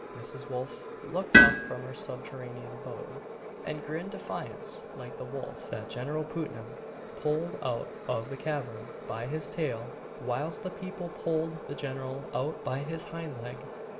Mrs. Wolf looked up from her subterranean abode, and grinned defiance like the wolf that General Putnam pulled out of the cavern by his tail whilst the people pulled the General out by his hind leg.